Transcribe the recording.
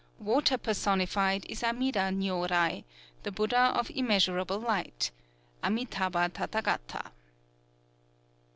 Water personified is Amida Nyōrai, the Buddha of Immeasurable Light (Amitâbha Tathâgata).